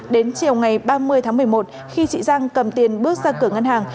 đến chiều ngày ba mươi tháng một mươi một khi chị giang cầm tiền bước ra cửa ngân hàng